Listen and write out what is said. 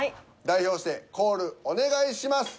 代表してコールお願いします。